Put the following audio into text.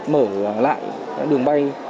mở lại các đường bay